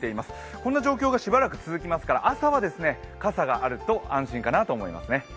こんな状況がしばらく続きますから朝は傘があると安心かなと思いますね。